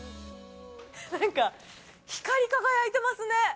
なんか、光り輝いてますね。